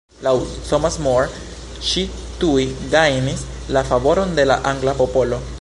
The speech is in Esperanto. Laŭ Thomas More ŝi tuj gajnis la favoron de la angla popolo.